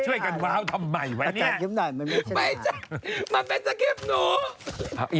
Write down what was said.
ตั้งแต่พระอาจารย์นี่